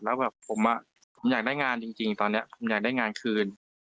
แล้วแบบผมอยากได้งานจริงตอนนี้ผมอยากได้งานคืน